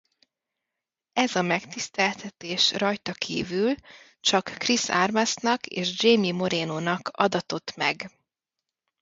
Ez a megtiszteltetés rajta kívül csak Chris Armas-nak és Jaime Moreno-nak adatott meg.